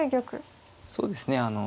そうですね。